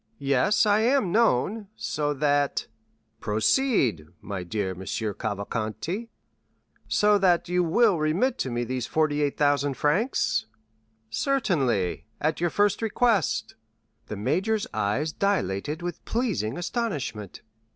"Yes, I am known, so that——" "Proceed, my dear Monsieur Cavalcanti." "So that you will remit to me these 48,000 francs?" "Certainly, at your first request." The major's eyes dilated with pleasing astonishment.